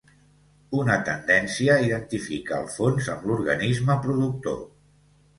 Una tendència identifica el fons amb l'organisme productor.